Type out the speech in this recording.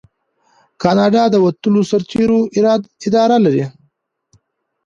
کاناډا د وتلو سرتیرو اداره لري.